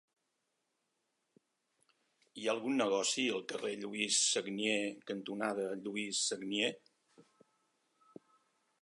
Hi ha algun negoci al carrer Lluís Sagnier cantonada Lluís Sagnier?